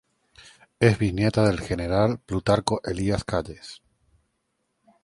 Es bisnieta del general Plutarco Elías Calles.